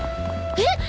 えっ！